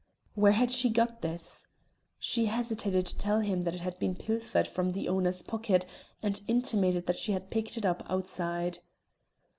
Where had she got this? She hesitated to tell him that it had been pilfered from the owner's pocket, and intimated that she had picked it up outside.